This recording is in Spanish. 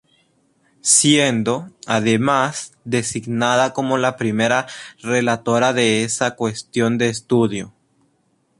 Siendo, además, designada como la primera relatora de esa cuestión de estudio.